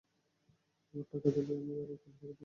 আমার টাকা দিয়ে দিলেই আমি বাড়ি খালি করে দেন।